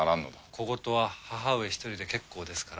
小言は母上１人で結構ですから。